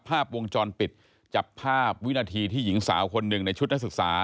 ภาพวงจรปิดจับภาพวินาทีที่หญิงสาวคนหนึ่งในชุดนักศึกษา